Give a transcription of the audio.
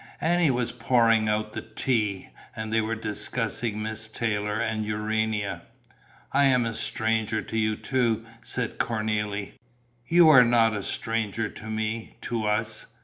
Annie was pouring out the tea; and they were discussing Miss Taylor and Urania. "I am a stranger to you too!" said Cornélie. "You are not a stranger to me, to us.